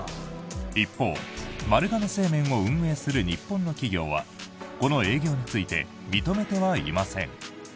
一方、丸亀製麺を運営する日本の企業はこの営業について認めてはいません。